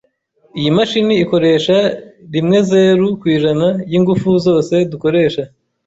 Iyi mashini ikoresha rimwezeru% yingufu zose dukoresha.